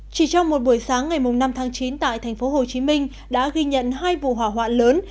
chỉ trong một buổi sáng ngày năm tháng chín tại thành phố hồ chí minh đã ghi nhận hai vụ hỏa hoạ lớn